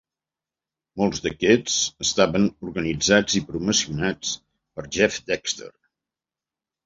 Molts d'aquests estaven organitzats i promocionats per Jeff Dexter.